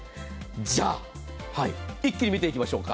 じゃ、一気に見ていきましょうか。